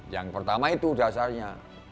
yang pertama itu dasarnya